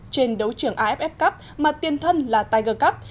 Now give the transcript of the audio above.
trên đấu trường aff cup mà tiên thân là tiger cup